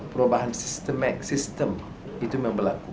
perubahan sistem itu memang berlaku